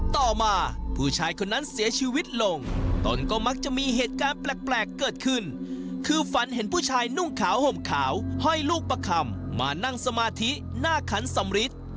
ต่อมาผู้ชายคนนั้นเสียชีวิตลงตนก็มักจะมีเหตุการณ์แปลกเกิดขึ้นคือฝันเห็นผู้ชายนุ่งขาวห่มขาวห้อยลูกประคำมานั่งสมาธิหน้าขันสำริท